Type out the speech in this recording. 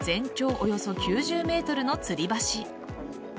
およそ９０ｍのつり橋。